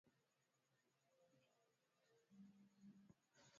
Mvua nyingi huchangia kulipuka kwa ugonjwa wa kimeta